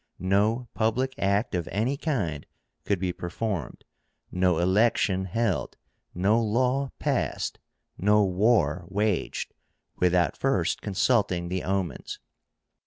No public act of any kind could be performed, no election held, no law passed, no war waged, without first consulting the omens.